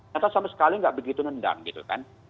nyata sama sekali nggak begitu nendang gitu kan